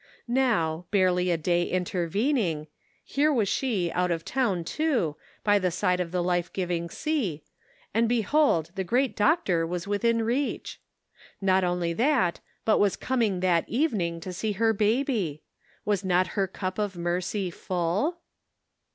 Now, barely a day intervening, here was she out of town, too, by the side of the life giving sea, and, behold, the great doctor was within reach ! Not only that, but was coming that evening to see her bab}T ! Was riot her cup of mercy full?